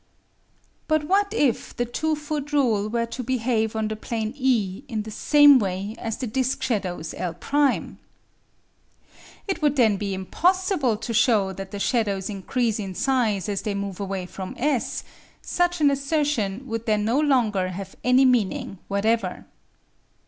But what if the two foot rule were to behave on the plane E in the same way as the disc shadows L'? It would then be impossible to show that the shadows increase in size as they move away from S; such an assertion would then no longer have any meaning whatever.